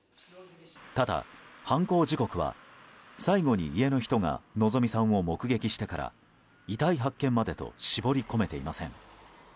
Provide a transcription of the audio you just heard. ただ、犯行時刻は最後に家の人が希美さんを目撃してから遺体発見までと絞り込めていません。